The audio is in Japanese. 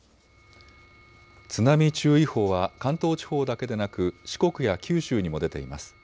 津波注意報は関東地方だけでなく四国や九州にも出ています。